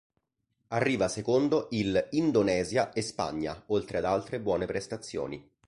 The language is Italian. Arriva secondo il Indonesia e Spagna, oltre ad altre buone prestazioni.